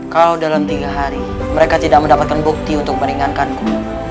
kalau dalam tiga hari mereka tidak mendapatkan bukti untuk meringankanku